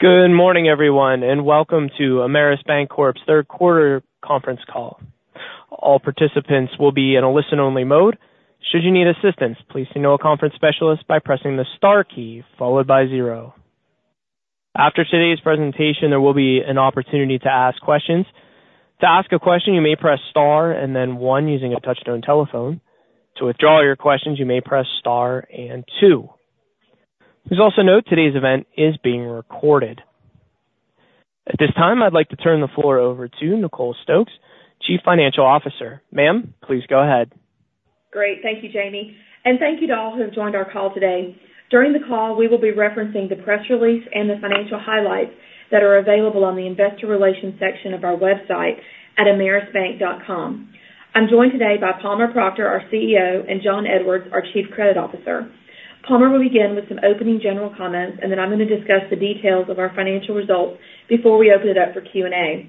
Good morning, everyone, and welcome to Ameris Bancorp's third quarter conference call. All participants will be in a listen-only mode. Should you need assistance, please signal a conference specialist by pressing the star key followed by zero. After today's presentation, there will be an opportunity to ask questions. To ask a question, you may press star and then one using a touchtone telephone. To withdraw your questions, you may press star and two. Please also note today's event is being recorded. At this time, I'd like to turn the floor over to Nicole Stokes, Chief Financial Officer. Ma'am, please go ahead. Great. Thank you, Jamie, and thank you to all who have joined our call today. During the call, we will be referencing the press release and the financial highlights that are available on the Investor Relations section of our website at amerisbank.com. I'm joined today by Palmer Proctor, our CEO, and Jon Edwards, our Chief Credit Officer. Palmer will begin with some opening general comments, and then I'm going to discuss the details of our financial results before we open it up for Q&A.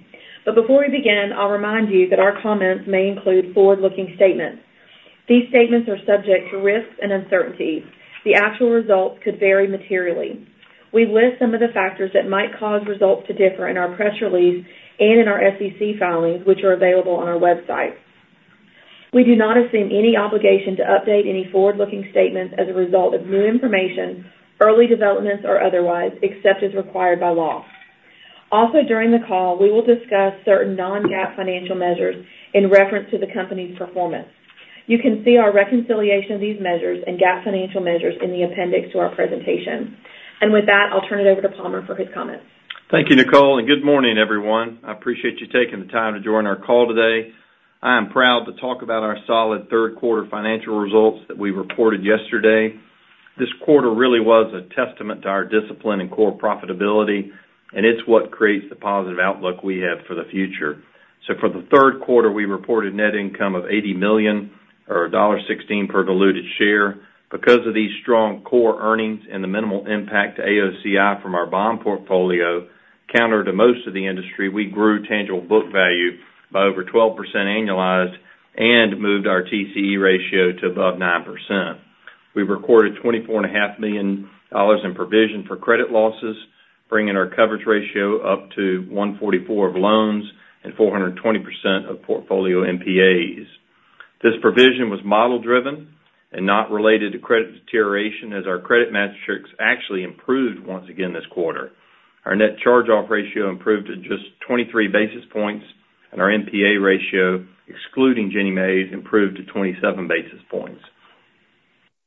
But before we begin, I'll remind you that our comments may include forward-looking statements. These statements are subject to risks and uncertainties. The actual results could vary materially. We list some of the factors that might cause results to differ in our press release and in our SEC filings, which are available on our website. We do not assume any obligation to update any forward-looking statements as a result of new information, early developments, or otherwise, except as required by law. Also, during the call, we will discuss certain non-GAAP financial measures in reference to the company's performance. You can see our reconciliation of these measures and GAAP financial measures in the appendix to our presentation. With that, I'll turn it over to Palmer for his comments. Thank you, Nicole, and good morning, everyone. I appreciate you taking the time to join our call today. I am proud to talk about our solid third quarter financial results that we reported yesterday. This quarter really was a testament to our discipline and core profitability, and it's what creates the positive outlook we have for the future. So for the third quarter, we reported net income of $80 million or $1.16 per diluted share. Because of these strong core earnings and the minimal impact to AOCI from our bond portfolio, counter to most of the industry, we grew tangible book value by over 12% annualized and moved our TCE ratio to above 9%. We recorded $24.5 million in provision for credit losses, bringing our coverage ratio up to 144% of loans and 420% of portfolio NPAs. This provision was model-driven and not related to credit deterioration, as our credit metrics actually improved once again this quarter. Our net charge-off ratio improved to just 23 basis points, and our NPA ratio, excluding Ginnie Mae, improved to 27 basis points.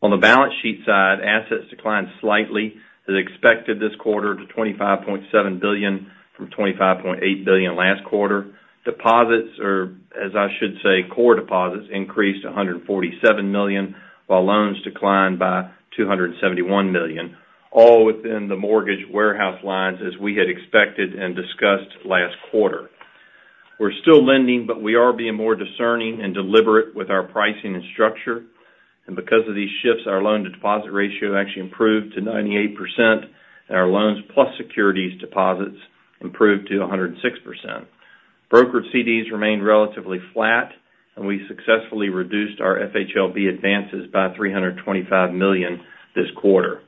On the balance sheet side, assets declined slightly as expected this quarter to $25.7 billion from $25.8 billion last quarter. Deposits, or as I should say, core deposits, increased to $147 million, while loans declined by $271 million, all within the mortgage warehouse lines, as we had expected and discussed last quarter. We're still lending, but we are being more discerning and deliberate with our pricing and structure. And because of these shifts, our loan-to-deposit ratio actually improved to 98%, and our loans plus securities to deposits, improved to 106%. Brokered CDs remained relatively flat, and we successfully reduced our FHLB advances by $325 million this quarter.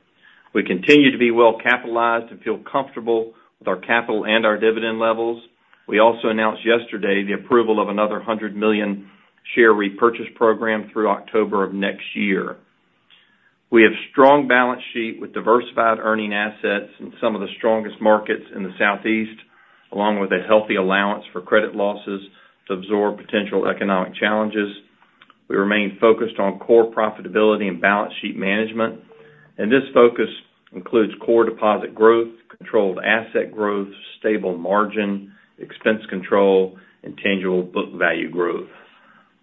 We continue to be well-capitalized and feel comfortable with our capital and our dividend levels. We also announced yesterday the approval of another $100 million share repurchase program through October of next year. We have strong balance sheet with diversified earning assets in some of the strongest markets in the Southeast, along with a healthy allowance for credit losses to absorb potential economic challenges. We remain focused on core profitability and balance sheet management, and this focus includes core deposit growth, controlled asset growth, stable margin, expense control, and tangible book value growth.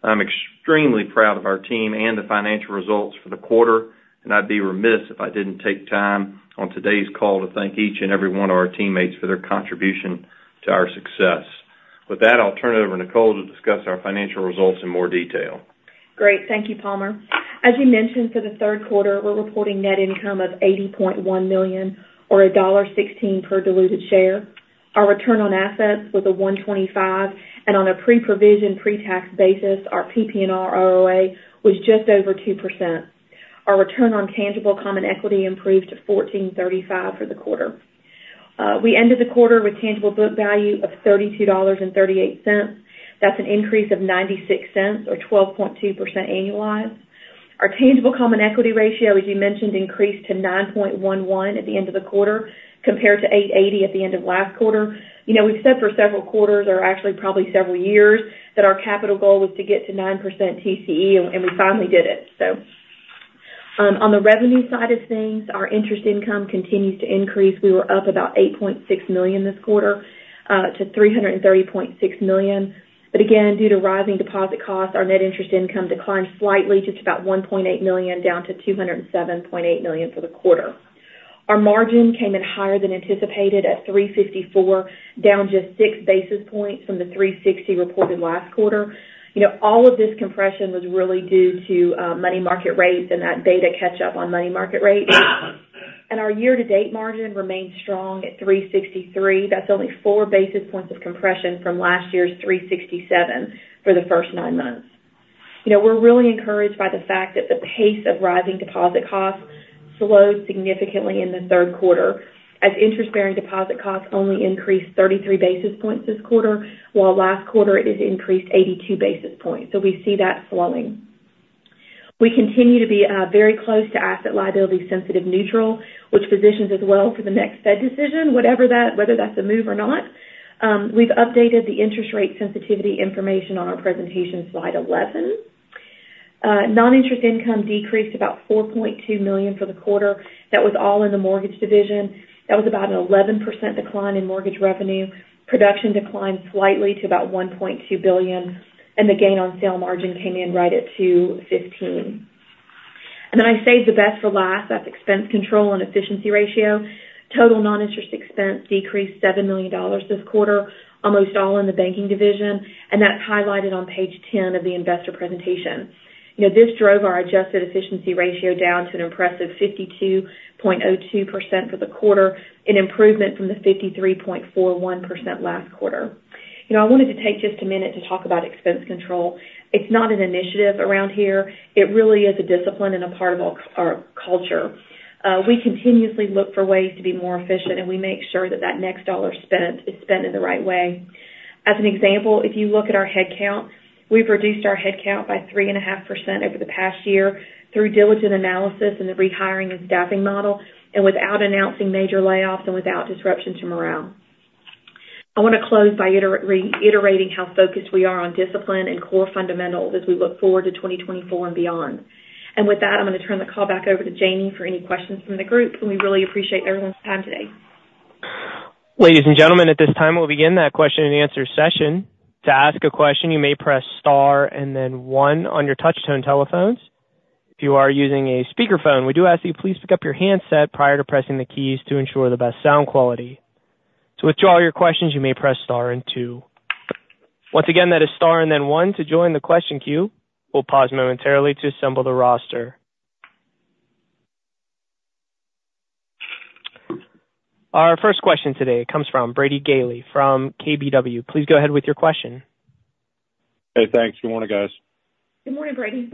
I'm extremely proud of our team and the financial results for the quarter, and I'd be remiss if I didn't take time on today's call to thank each and every one of our teammates for their contribution to our success. With that, I'll turn it over to Nicole to discuss our financial results in more detail. Great. Thank you, Palmer. As you mentioned, for the third quarter, we're reporting net income of $80.1 million or $1.16 per diluted share. Our return on assets was 1.25, and on a pre-provision, pre-tax basis, our PPNR ROA was just over 2%. Our return on tangible common equity improved to 14.35 for the quarter. We ended the quarter with tangible book value of $32.38. That's an increase of $0.96 or 12.2% annualized. Our tangible common equity ratio, as you mentioned, increased to $9.11 at the end of the quarter, compared to $8.80 at the end of last quarter. You know, we've said for several quarters, or actually probably several years, that our capital goal was to get to 9% TCE, and we finally did it. On the revenue side of things, our interest income continues to increase. We were up about $8.6 million this quarter to $330.6 million. Again, due to rising deposit costs, our net interest income declined slightly to just about $1.8 million, down to $207.8 million for the quarter. Our margin came in higher than anticipated at 3.54, down just 6 basis points from the 3.60 reported last quarter. You know, all of this compression was really due to money market rates and that beta catch-up on money market rates. Our year-to-date margin remained strong at 3.63. That's only 4 basis points of compression from last year's 3.67 for the first nine months. You know, we're really encouraged by the fact that the pace of rising deposit costs slowed significantly in the third quarter, as interest-bearing deposit costs only increased 33 basis points this quarter, while last quarter it increased 82 basis points. So we see that slowing. We continue to be very close to asset liability sensitive neutral, which positions us well for the next Fed decision, whatever that, whether that's a move or not. We've updated the interest rate sensitivity information on our presentation slide 11. Non-interest income decreased about $4.2 million for the quarter. That was all in the mortgage division. That was about an 11% decline in mortgage revenue. Production declined slightly to about $1.2 billion, and the gain on sale margin came in right at 2.15. Then I saved the best for last, that's expense control and efficiency ratio. Total non-interest expense decreased $7 million this quarter, almost all in the banking division, and that's highlighted on page 10 of the investor presentation. You know, this drove our adjusted efficiency ratio down to an impressive 52.02% for the quarter, an improvement from the 53.41% last quarter. You know, I wanted to take just a minute to talk about expense control. It's not an initiative around here. It really is a discipline and a part of our culture. We continuously look for ways to be more efficient, and we make sure that that next dollar spent is spent in the right way. As an example, if you look at our headcount, we've reduced our headcount by 3.5% over the past year through diligent analysis and the rehiring and staffing model, and without announcing major layoffs and without disruption to morale. I want to close by reiterating how focused we are on discipline and core fundamentals as we look forward to 2024 and beyond. And with that, I'm going to turn the call back over to Jamie for any questions from the group, and we really appreciate everyone's time today. Ladies and gentlemen, at this time, we'll begin that question and answer session. To ask a question, you may press star and then one on your touchtone telephones. If you are using a speakerphone, we do ask you please pick up your handset prior to pressing the keys to ensure the best sound quality. To withdraw your questions, you may press star and two. Once again, that is star and then one to join the question queue. We'll pause momentarily to assemble the roster. Our first question today comes from Brady Gailey from KBW. Please go ahead with your question. Hey, thanks. Good morning, guys. Good morning, Brady.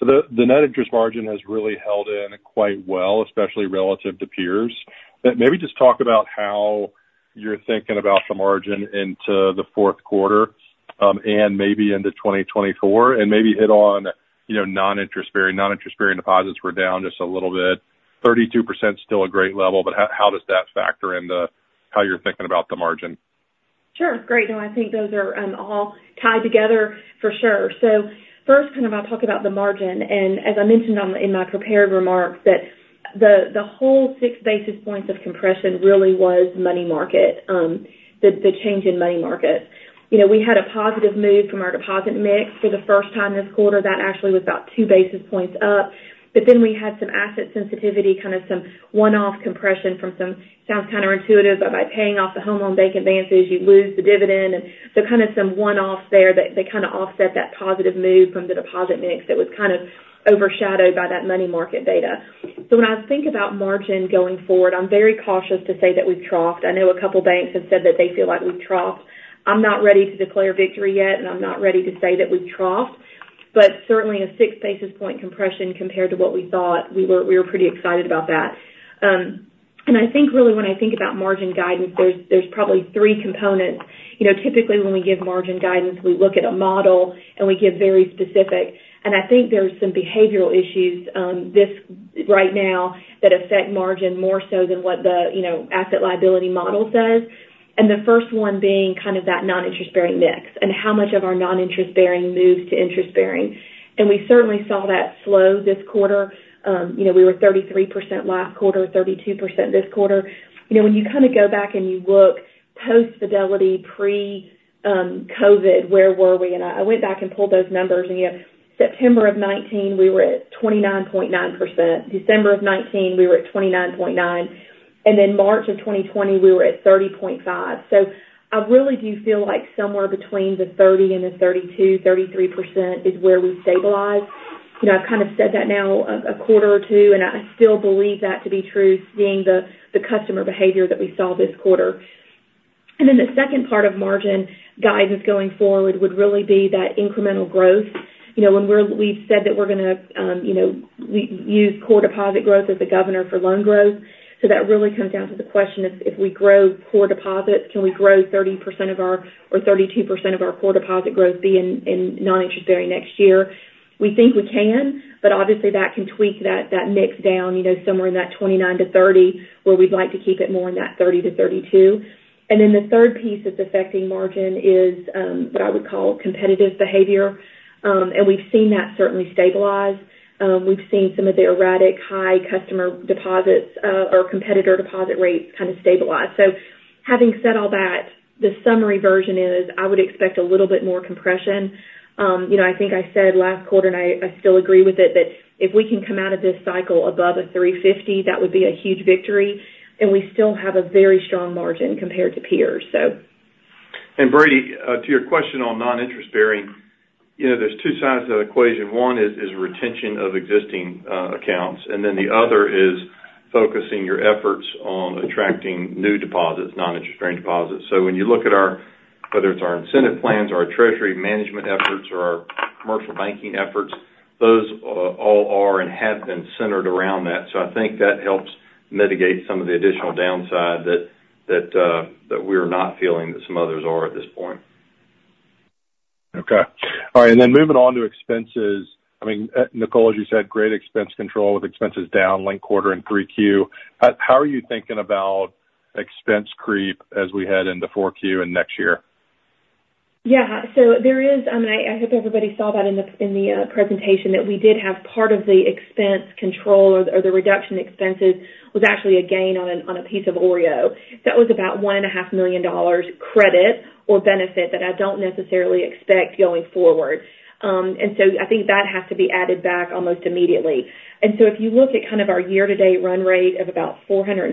So the net interest margin has really held in quite well, especially relative to peers. But maybe just talk about how you're thinking about the margin into the fourth quarter, and maybe into 2024, and maybe hit on, you know, non-interest bearing. Non-interest bearing deposits were down just a little bit. 32% is still a great level, but how does that factor into how you're thinking about the margin? Sure. Great. No, I think those are all tied together for sure. So first, kind of, I'll talk about the margin, and as I mentioned on, in my prepared remarks, that the whole 6 basis points of compression really was money market, the change in money market. You know, we had a positive move from our deposit mix for the first time this quarter. That actually was about 2 basis points up. But then we had some asset sensitivity, kind of some one-off compression from some. Sounds counterintuitive, but by paying off the Federal Home Loan Bank advances, you lose the dividend. And so kind of some one-off there that kind of offset that positive move from the deposit mix that was kind of overshadowed by that money market data. So when I think about margin going forward, I'm very cautious to say that we've troughed. I know a couple banks have said that they feel like we've troughed. I'm not ready to declare victory yet, and I'm not ready to say that we've troughed, but certainly a six basis points compression compared to what we thought, we were pretty excited about that. And I think really when I think about margin guidance, there's probably three components. You know, typically, when we give margin guidance, we look at a model and we get very specific. And I think there's some behavioral issues, this right now, that affect margin more so than what the, you know, asset liability model says. And the first one being kind of that non-interest bearing mix and how much of our non-interest bearing moves to interest bearing. And we certainly saw that slow this quarter. You know, we were 33% last quarter, 32% this quarter. You know, when you kind of go back and you look post-Fidelity, pre-COVID, where were we? And I went back and pulled those numbers, and in September 2019, we were at 29.9%. December 2019, we were at 29.9%, and then March 2020, we were at 30.5%. So I really do feel like somewhere between the 30% and the 32%-33% is where we stabilize. You know, I've kind of said that now a quarter or two, and I still believe that to be true, seeing the customer behavior that we saw this quarter. And then the second part of margin guidance going forward would really be that incremental growth. You know, when we're, we've said that we're gonna, you know, we use core deposit growth as a governor for loan growth. So that really comes down to the question of, if we grow core deposits, can we grow 30% of our or 32% of our core deposit growth be in non-interest bearing next year? We think we can, but obviously, that can tweak that mix down, you know, somewhere in that 29%-30%, where we'd like to keep it more in that 30%-32%. And then the third piece that's affecting margin is what I would call competitive behavior, and we've seen that certainly stabilize. We've seen some of the erratic high customer deposits or competitor deposit rates kind of stabilize. So having said all that, the summary version is I would expect a little bit more compression. You know, I think I said last quarter, and I still agree with it, that if we can come out of this cycle above a 3.50, that would be a huge victory, and we still have a very strong margin compared to peers, so. Brady, to your question on non-interest bearing, you know, there's two sides to that equation. One is retention of existing accounts, and then the other is, Focusing your efforts on attracting new deposits, non-interest-bearing deposits. So when you look at our, whether it's our incentive plans or our treasury management efforts or our commercial banking efforts, those, all are and have been centered around that. So I think that helps mitigate some of the additional downside that, that, that we're not feeling that some others are at this point. Okay. All right, and then moving on to expenses. I mean, Nicole, as you said, great expense control with expenses down, linked quarter, in 3Q. How, how are you thinking about expense creep as we head into 4Q and next year? Yeah, so there is, I mean, I hope everybody saw that in the presentation, that we did have part of the expense control or the reduction expenses was actually a gain on a piece of OREO. That was about $1.5 million credit or benefit that I don't necessarily expect going forward. And so I think that has to be added back almost immediately. And so if you look at kind of our year-to-date run rate of about $429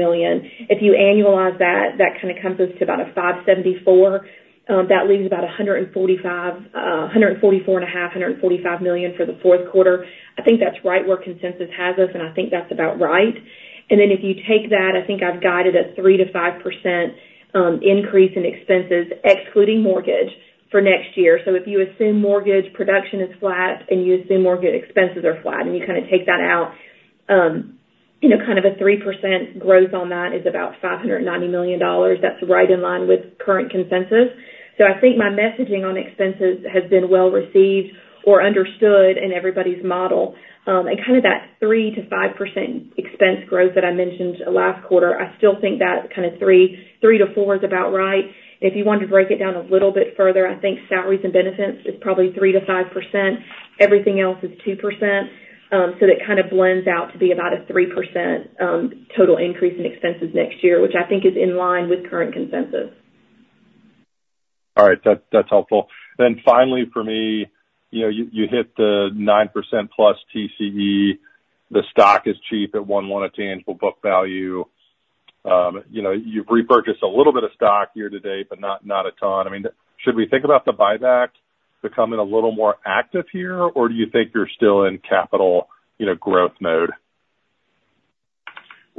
million, if you annualize that, that kind of comes us to about $574 million. That leaves about $145 million, hundred and forty-four and a half, $145 million for the fourth quarter. I think that's right where consensus has us, and I think that's about right. And then if you take that, I think I've guided a 3%-5% increase in expenses, excluding mortgage, for next year. So if you assume mortgage production is flat and you assume mortgage expenses are flat, and you kind of take that out, you know, kind of a 3% growth on that is about $590 million. That's right in line with current consensus. So I think my messaging on expenses has been well received or understood in everybody's model. And kind of that 3%-5% expense growth that I mentioned last quarter, I still think that kind of 3%, 3%-4% is about right. If you want to break it down a little bit further, I think salaries and benefits is probably 3%-5%. Everything else is 2%. That kind of blends out to be about a 3% total increase in expenses next year, which I think is in line with current consensus. All right. That's, that's helpful. Then finally, for me, you know, you, you hit the 9%+ TCE. The stock is cheap at 1.1 at tangible book value. You know, you've repurchased a little bit of stock year to date, but not, not a ton. I mean, should we think about the buyback becoming a little more active here, or do you think you're still in capital, you know, growth mode?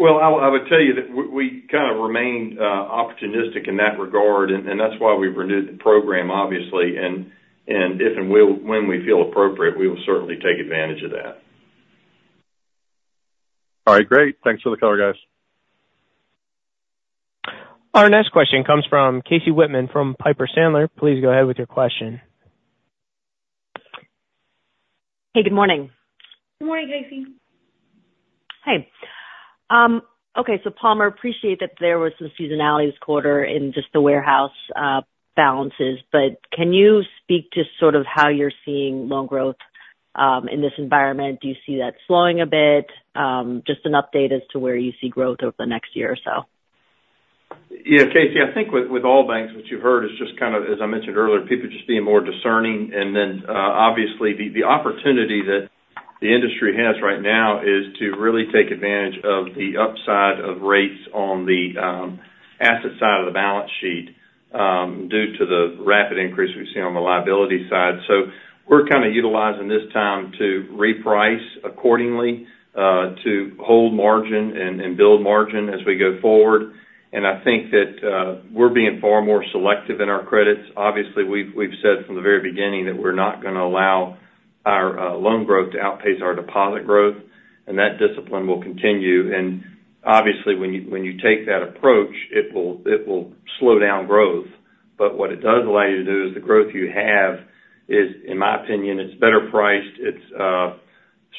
Well, I would tell you that we kind of remained opportunistic in that regard, and that's why we renewed the program, obviously. And if and when we feel appropriate, we will certainly take advantage of that. All right, great. Thanks for the color, guys. Our next question comes from Casey Whitman from Piper Sandler. Please go ahead with your question. Hey, good morning. Good morning, Casey. Hey. Okay, so Palmer, appreciate that there was some seasonality this quarter in just the warehouse balances, but can you speak to sort of how you're seeing loan growth in this environment? Do you see that slowing a bit? Just an update as to where you see growth over the next year or so. Yeah, Casey, I think with all banks, what you've heard is just kind of, as I mentioned earlier, people just being more discerning. And then, obviously, the opportunity that the industry has right now is to really take advantage of the upside of rates on the asset side of the balance sheet, due to the rapid increase we've seen on the liability side. So we're kind of utilizing this time to reprice accordingly, to hold margin and build margin as we go forward. And I think that, we're being far more selective in our credits. Obviously, we've said from the very beginning that we're not gonna allow our loan growth to outpace our deposit growth, and that discipline will continue. And obviously, when you take that approach, it will slow down growth. But what it does allow you to do is, the growth you have is, in my opinion, it's better priced. It's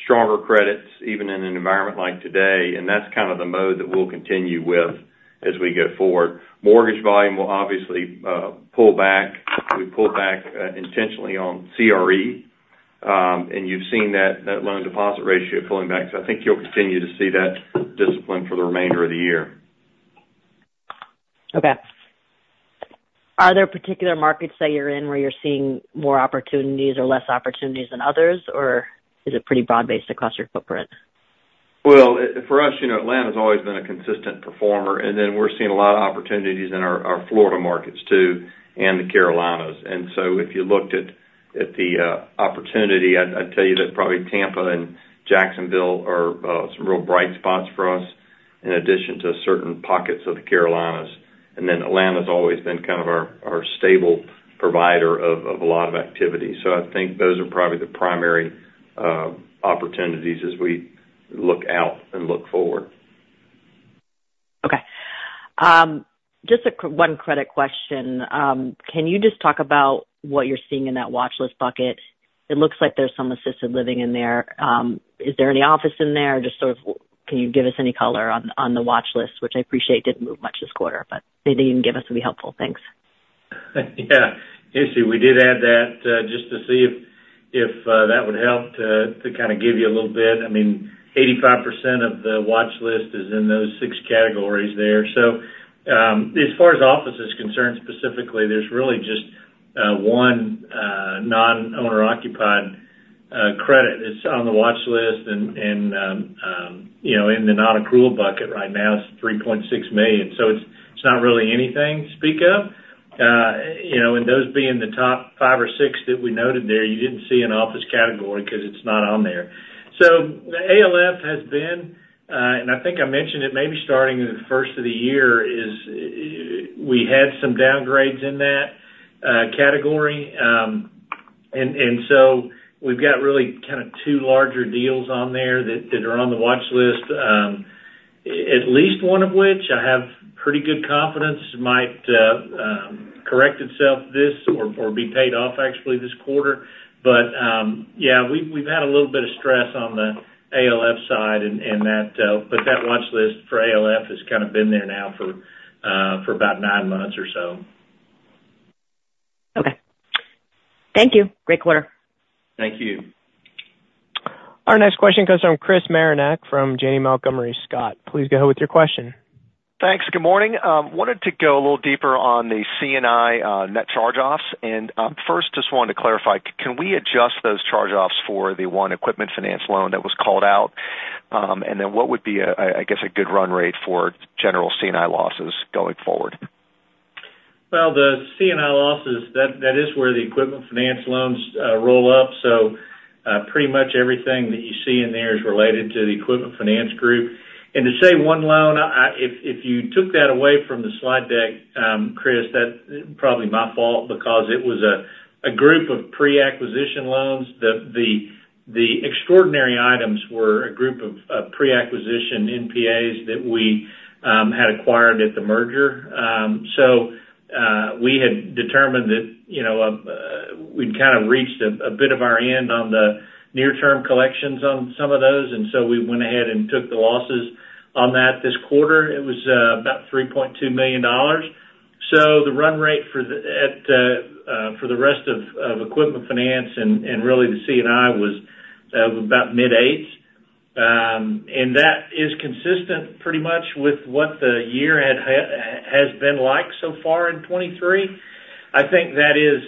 stronger credits, even in an environment like today, and that's kind of the mode that we'll continue with as we go forward. Mortgage volume will obviously pull back. We pulled back intentionally on CRE, and you've seen that, that loan-to-deposit ratio pulling back. So I think you'll continue to see that discipline for the remainder of the year. Okay. Are there particular markets that you're in, where you're seeing more opportunities or less opportunities than others, or is it pretty broad-based across your footprint? Well, for us, you know, Atlanta's always been a consistent performer, and then we're seeing a lot of opportunities in our Florida markets, too, and the Carolinas. And so if you looked at the opportunity, I'd tell you that probably Tampa and Jacksonville are some real bright spots for us, in addition to certain pockets of the Carolinas. And then Atlanta's always been kind of our stable provider of a lot of activity. So I think those are probably the primary opportunities as we look out and look forward. Okay. Just one credit question. Can you just talk about what you're seeing in that watchlist bucket? It looks like there's some assisted living in there. Is there any office in there, or just sort of can you give us any color on, on the watchlist, which I appreciate didn't move much this quarter, but maybe you can give us, it'll be helpful. Thanks. Yeah. Casey, we did add that just to see if that would help to kind of give you a little bit. I mean, 85% of the watchlist is in those six categories there. So, as far as office is concerned, specifically, there's really just one non-owner occupied credit that's on the watchlist and you know, in the non-accrual bucket right now, it's $3.6 million. So it's not really anything to speak of. You know, and those being the top five or six that we noted there, you didn't see an office category because it's not on there. So the ALF has been, and I think I mentioned it, maybe starting in the first of the year, is we had some downgrades in that category. And so we've got really kind of two larger deals on there that are on the watch list. At least one of which I have pretty good confidence might correct itself this, or be paid off actually this quarter. But yeah, we've had a little bit of stress on the ALF side, and that. But that watch list for ALF has kind of been there now for about nine months or so. Okay. Thank you. Great quarter. Thank you. Our next question comes from Chris Marinac, from Janney Montgomery Scott. Please go ahead with your question. Thanks. Good morning. Wanted to go a little deeper on the C&I net charge-offs. First, just wanted to clarify, can we adjust those charge-offs for the one equipment finance loan that was called out? And then what would be a, I guess, a good run rate for general C&I losses going forward? Well, the C&I losses, that is where the equipment finance loans roll up. So, pretty much everything that you see in there is related to the Equipment Finance Group. And to say one loan, if you took that away from the slide deck, Chris, that's probably my fault, because it was a group of pre-acquisition loans. The extraordinary items were a group of pre-acquisition NPAs that we had acquired at the merger. So, we had determined that, you know, we'd kind of reached a bit of our end on the near-term collections on some of those, and so we went ahead and took the losses on that this quarter. It was about $3.2 million. So the run rate for the rest of equipment finance and really the C&I was about mid-8. And that is consistent pretty much with what the year has been like so far in 2023. I think that is,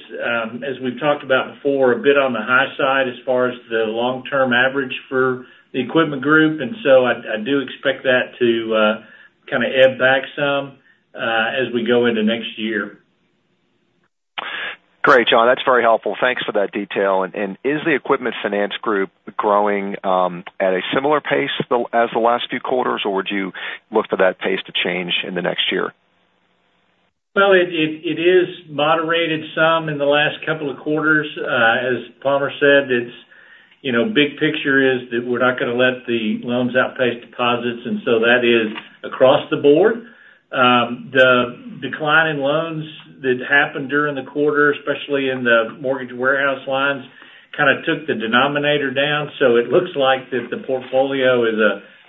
as we've talked about before, a bit on the high side as far as the long-term average for the equipment group, and so I do expect that to kind of ebb back some as we go into next year. Great, John. That's very helpful. Thanks for that detail. And is the Equipment Finance Group growing, at a similar pace as the last few quarters, or would you look for that pace to change in the next year? Well, it is moderated some in the last couple of quarters. As Palmer said, it's, you know, big picture is that we're not gonna let the loans outpace deposits, and so that is across the board. The decline in loans that happened during the quarter, especially in the mortgage warehouse lines, kind of took the denominator down, so it looks like the portfolio is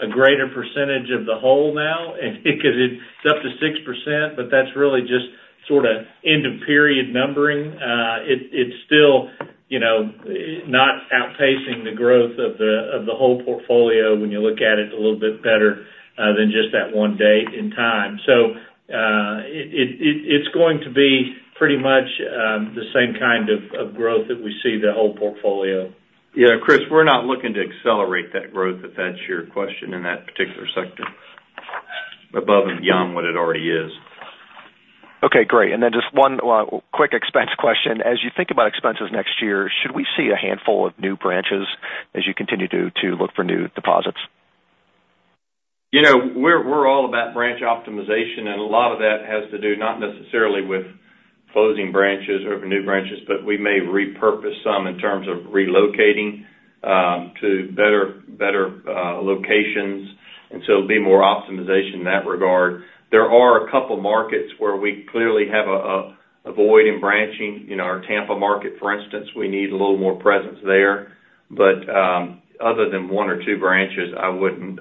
a greater percentage of the whole now, and because it's up to 6%, but that's really just sorta end-of-period numbering. It's still, you know, not outpacing the growth of the whole portfolio when you look at it a little bit better than just that one date and time. It's going to be pretty much the same kind of growth that we see the whole portfolio. Yeah, Chris, we're not looking to accelerate that growth, if that's your question, in that particular sector, above and beyond what it already is. Okay, great. And then just one quick expense question: as you think about expenses next year, should we see a handful of new branches as you continue to look for new deposits? You know, we're all about branch optimization, and a lot of that has to do not necessarily with closing branches or opening new branches, but we may repurpose some in terms of relocating to better locations, and so it'll be more optimization in that regard. There are a couple markets where we clearly have a void in branching. In our Tampa market, for instance, we need a little more presence there. But other than one or two branches, I wouldn't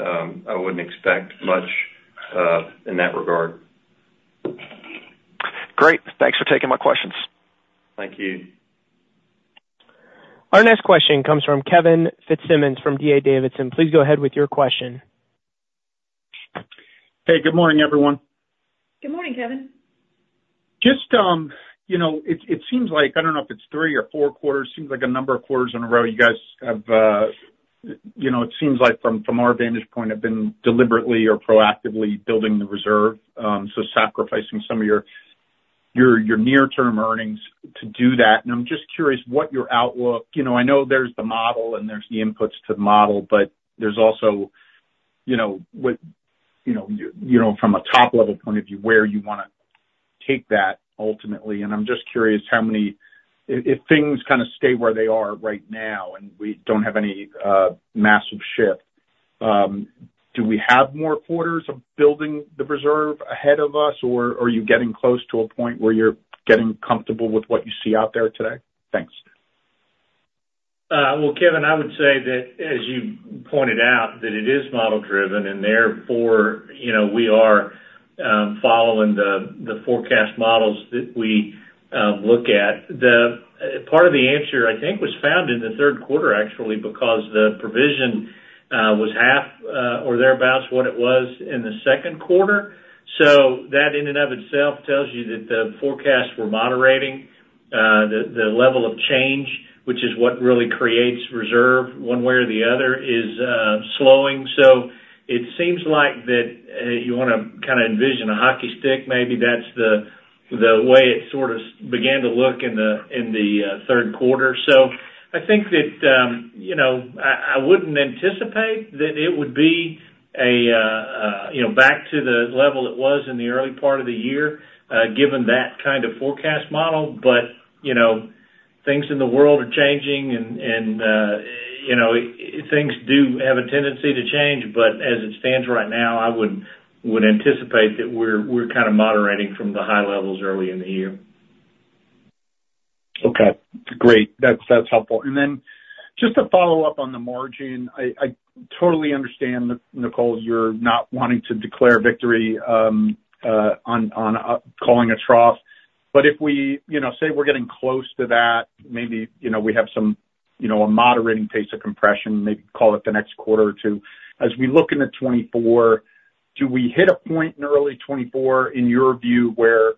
expect much in that regard. Great. Thanks for taking my questions. Thank you. Our next question comes from Kevin Fitzsimmons from D.A. Davidson. Please go ahead with your question. Hey, good morning, everyone. Good morning, Kevin. Just, you know, it seems like, I don't know if it's three or four quarters, it seems like a number of quarters in a row, you guys have, you know, it seems like from our vantage point, have been deliberately or proactively building the reserve, so sacrificing some of your near-term earnings to do that. And I'm just curious what your outlook. You know, I know there's the model and there's the inputs to the model, but there's also, you know, what, you know, from a top-level point of view, where you wanna take that ultimately. I'm just curious how many, if things kind of stay where they are right now, and we don't have any massive shift, do we have more quarters of building the reserve ahead of us, or are you getting close to a point where you're getting comfortable with what you see out there today? Thanks. Well, Kevin, I would say that, as you pointed out, that it is model-driven, and therefore, you know, we are following the forecast models that we look at. The part of the answer, I think, was found in the third quarter, actually, because the provision was half or thereabout what it was in the second quarter. So that, in and of itself, tells you that the forecasts were moderating. The level of change, which is what really creates reserve one way or the other, is slowing. So it seems like you want to kind of envision a hockey stick, maybe that's the way it sort of began to look in the third quarter. So I think that, you know, I wouldn't anticipate that it would be, you know, back to the level it was in the early part of the year, given that kind of forecast model. But, you know, things in the world are changing and, you know, things do have a tendency to change. But as it stands right now, I would anticipate that we're kind of moderating from the high levels early in the year. Okay, great. That's helpful. And then just to follow up on the margin, I totally understand, Nicole, you're not wanting to declare victory on calling a trough. But if we, you know, say we're getting close to that, maybe, you know, we have some, you know, a moderating pace of compression, maybe call it the next quarter or two. As we look into 2024, do we hit a point in early 2024, in your view, where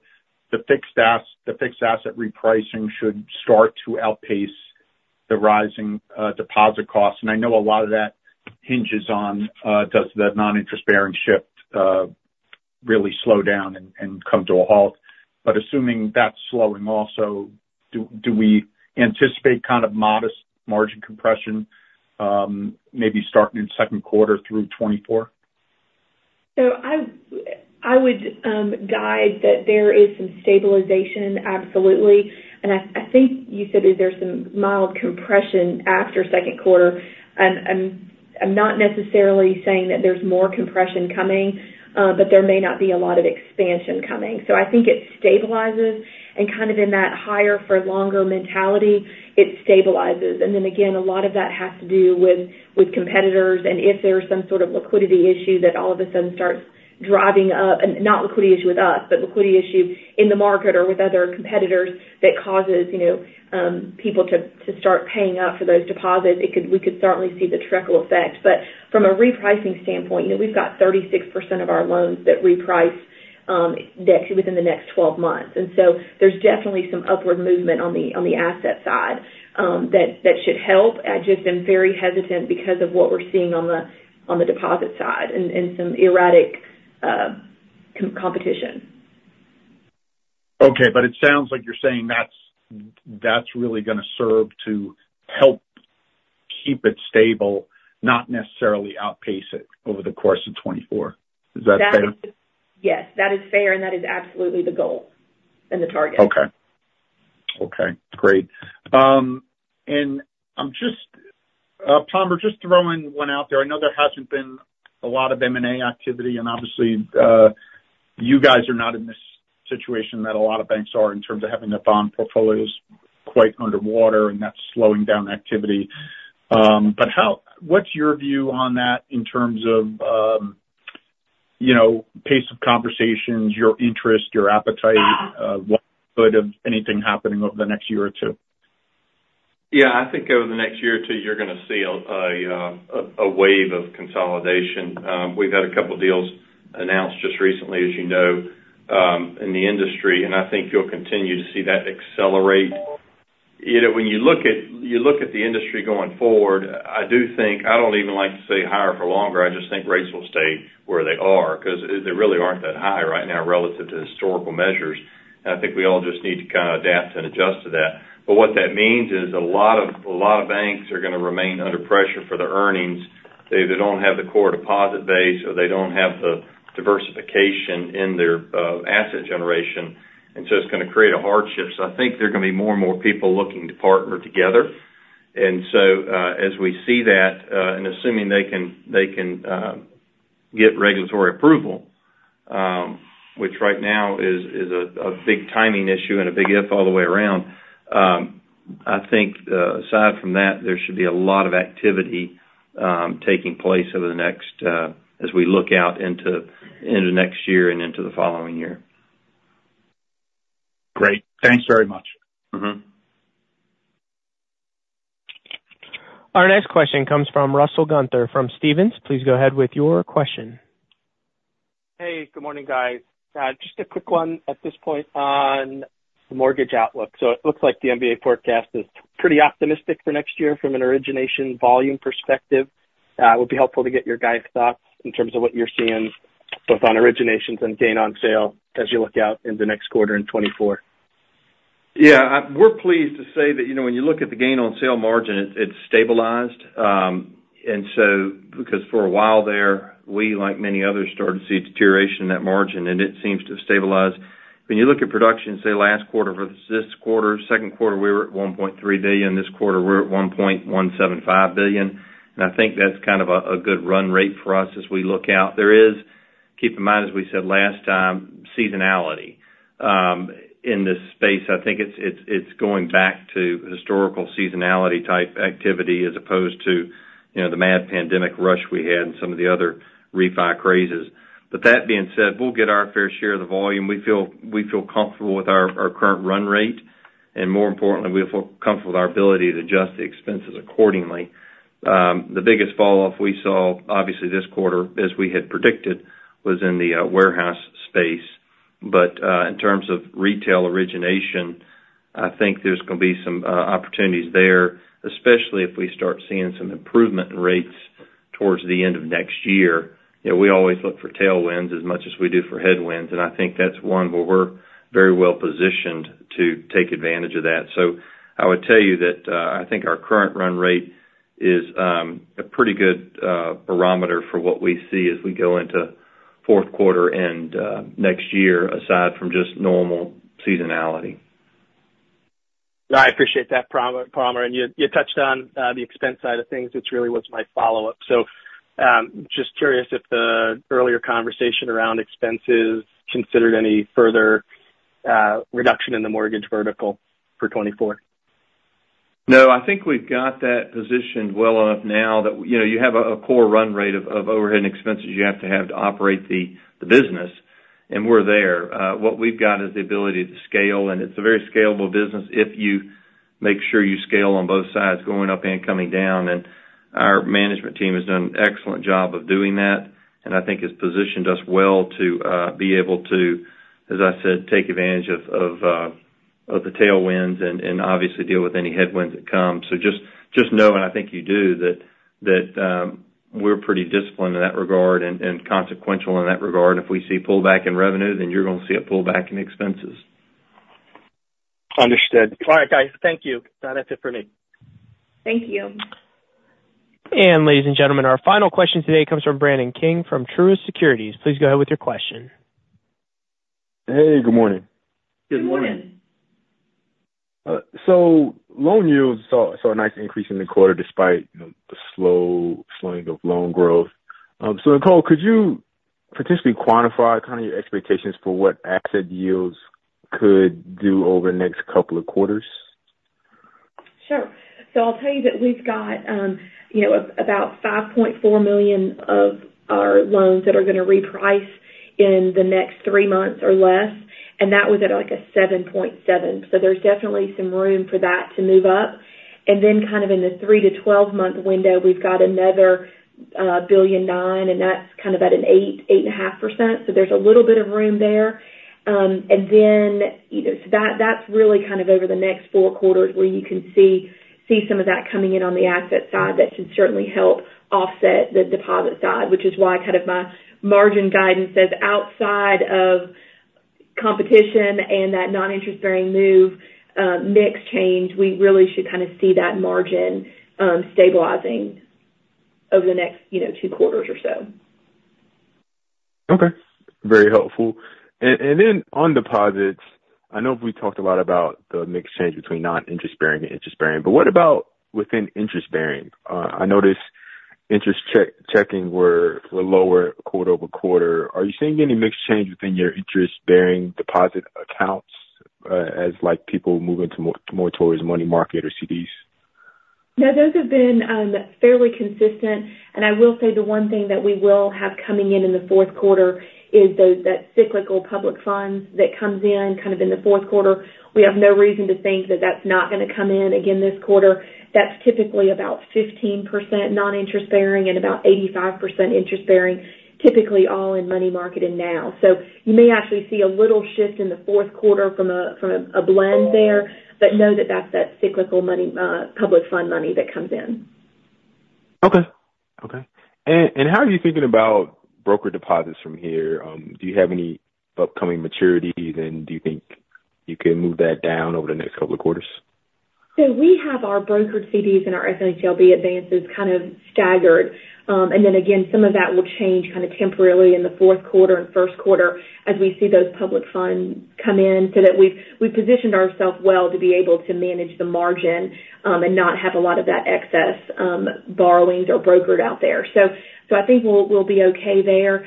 the fixed asset repricing should start to outpace the rising deposit costs? And I know a lot of that hinges on does the non-interest-bearing shift really slow down and come to a halt? But assuming that's slowing also, do we anticipate kind of modest margin compression, maybe starting in second quarter through 2024? So I would guide that there is some stabilization, absolutely. And I think you said, is there some mild compression after second quarter? And I'm not necessarily saying that there's more compression coming, but there may not be a lot of expansion coming. So I think it stabilizes and kind of in that higher for longer mentality, it stabilizes. And then again, a lot of that has to do with competitors. And if there's some sort of liquidity issue that all of a sudden starts driving up and not liquidity issue with us, but liquidity issue in the market or with other competitors, that causes, you know, people to start paying up for those deposits, it could we could certainly see the trickle effect. But from a repricing standpoint, you know, we've got 36% of our loans that reprice within the next 12 months. And so there's definitely some upward movement on the asset side that should help. I've just been very hesitant because of what we're seeing on the deposit side and some erratic competition. Okay, but it sounds like you're saying that's, that's really gonna serve to help keep it stable, not necessarily outpace it over the course of 2024. Is that fair? Yes, that is fair, and that is absolutely the goal and the target. Okay. Okay, great. And I'm just, Tom, we're just throwing one out there. I know there hasn't been a lot of M&A activity, and obviously, you guys are not in this situation that a lot of banks are in terms of having their bond portfolios quite underwater, and that's slowing down activity. But what's your view on that in terms of, you know, pace of conversations, your interest, your appetite, what of anything happening over the next year or two? Yeah, I think over the next year or two, you're gonna see a wave of consolidation. We've had a couple deals announced just recently, as you know, in the industry, and I think you'll continue to see that accelerate. You know, when you look at the industry going forward, I do think I don't even like to say higher for longer. I just think rates will stay where they are, because they really aren't that high right now relative to historical measures. And I think we all just need to kind of adapt and adjust to that. But what that means is a lot of banks are gonna remain under pressure for their earnings. They don't have the core deposit base, or they don't have the diversification in their asset generation, and so it's gonna create a hardship. So I think there are gonna be more and more people looking to partner together. And so, as we see that, and assuming they can get regulatory approval, which right now is a big timing issue and a big if all the way around, I think, aside from that, there should be a lot of activity taking place over the next, as we look out into next year and into the following year. Great. Thanks very much. Mm-hmm. Our next question comes from Russell Gunther from Stephens. Please go ahead with your question. Hey, good morning, guys. Just a quick one at this point on the mortgage outlook. It looks like the MBA forecast is pretty optimistic for next year from an origination volume perspective. It would be helpful to get your guys' thoughts in terms of what you're seeing, both on originations and gain on sale as you look out in the next quarter in 2024. Yeah, we're pleased to say that, you know, when you look at the gain on sale margin, it, it's stabilized. And so because for a while there, we, like many others, started to see a deterioration in that margin, and it seems to have stabilized. When you look at production, say, last quarter versus this quarter, second quarter, we were at $1.3 billion. This quarter, we're at $1.175 billion. And I think that's kind of a good run rate for us as we look out. There is, keep in mind, as we said last time, seasonality, in this space. I think it's going back to historical seasonality type activity as opposed to, you know, the mad pandemic rush we had and some of the other refi crazes. But that being said, we'll get our fair share of the volume. We feel comfortable with our current run rate, and more importantly, we feel comfortable with our ability to adjust the expenses accordingly. The biggest falloff we saw, obviously, this quarter, as we had predicted, was in the warehouse space. But in terms of retail origination, I think there's gonna be some opportunities there, especially if we start seeing some improvement in rates towards the end of next year. You know, we always look for tailwinds as much as we do for headwinds, and I think that's one where we're very well positioned to take advantage of that. So I would tell you that, I think our current run rate is a pretty good barometer for what we see as we go into fourth quarter and next year, aside from just normal seasonality. I appreciate that, Palmer, Palmer. You, you touched on the expense side of things, which really was my follow-up. Just curious if the earlier conversation around expenses considered any further reduction in the mortgage vertical for 2024? No, I think we've got that positioned well enough now that, you know, you have a core run rate of overhead and expenses you have to have to operate the business, and we're there. What we've got is the ability to scale, and it's a very scalable business if you make sure you scale on both sides, going up and coming down. Our management team has done an excellent job of doing that, and I think has positioned us well to be able to, as I said, take advantage of the tailwinds and, obviously, deal with any headwinds that come. Just know, and I think you do, that we're pretty disciplined in that regard and consequential in that regard. If we see pullback in revenue, then you're gonna see a pullback in expenses. Understood. All right, guys, thank you. That's it for me. Thank you. Ladies and gentlemen, our final question today comes from Brandon King from Truist Securities. Please go ahead with your question. Hey, good morning. Good morning. So loan yields saw a nice increase in the quarter despite, you know, the slowing of loan growth. So, Nicole, could you potentially quantify kind of your expectations for what asset yields could do over the next couple of quarters? Sure. So I'll tell you that we've got, you know, about $5.4 million of our loans that are gonna reprice in the next three months or less, and that was at, like, a 7.7%. So there's definitely some room for that to move up. And then kind of in the 3-12 month window, we've got another $1.9 billion, and that's kind of at an 8%-8.5%. So there's a little bit of room there. And then, you know, so that, that's really kind of over the next four quarters, where you can see some of that coming in on the asset side. That should certainly help offset the deposit side, which is why kind of my margin guidance says outside of competition and that non-interest-bearing move, mix change, we really should kind of see that margin stabilizing over the next, you know, two quarters or so. Okay, very helpful. And then on deposits, I know we talked a lot about the mix change between non-interest-bearing and interest-bearing, but what about within interest-bearing? I noticed interest checking were lower quarter-over-quarter. Are you seeing any mix change within your interest-bearing deposit accounts, as like people move into more towards money market or CDs? No, those have been fairly consistent. And I will say the one thing that we will have coming in in the fourth quarter is those, that cyclical public funds that comes in kind of in the fourth quarter. We have no reason to think that that's not gonna come in again this quarter. That's typically about 15% non-interest-bearing and about 85% interest-bearing, typically all in money market and now. So you may actually see a little shift in the fourth quarter from a, from a blend there, but know that that's that cyclical money, public fund money that comes in. Okay. Okay. And how are you thinking about broker deposits from here? Do you have any upcoming maturities, and do you think you can move that down over the next couple of quarters? So we have our brokered CDs and our FHLB advances kind of staggered. And then again, some of that will change kind of temporarily in the fourth quarter and first quarter as we see those public funds come in, so that we've positioned ourselves well to be able to manage the margin, and not have a lot of that excess borrowings or brokered out there. So I think we'll be okay there.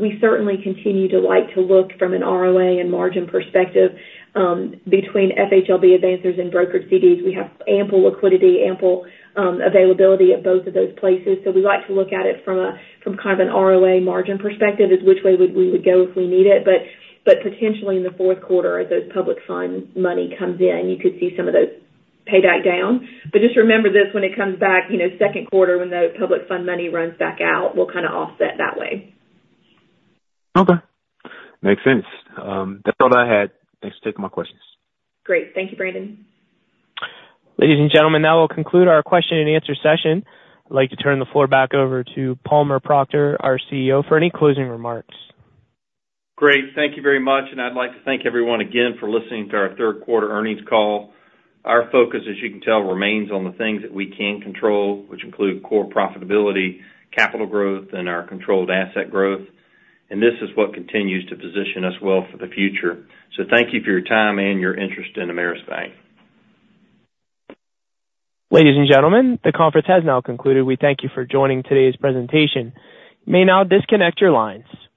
We certainly continue to like to look from an ROA and margin perspective, between FHLB advances and brokered CDs. We have ample liquidity, ample availability at both of those places, so we like to look at it from a, from kind of an ROA margin perspective as which way would we go if we need it. But potentially in the fourth quarter, as those public fund money comes in, you could see some of those pay back down. But just remember this, when it comes back, you know, second quarter, when the public fund money runs back out, we'll kind of offset that way. Okay, makes sense. That's all I had. Thanks for taking my questions. Great. Thank you, Brandon. Ladies and gentlemen, that will conclude our question and answer session. I'd like to turn the floor back over to Palmer Proctor, our CEO, for any closing remarks. Great. Thank you very much, and I'd like to thank everyone again for listening to our third quarter earnings call. Our focus, as you can tell, remains on the things that we can control, which include core profitability, capital growth, and our controlled asset growth. This is what continues to position us well for the future. Thank you for your time and your interest in Ameris Bank. Ladies and gentlemen, the conference has now concluded. We thank you for joining today's presentation. You may now disconnect your lines.